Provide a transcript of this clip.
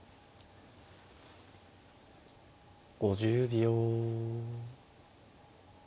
５０秒。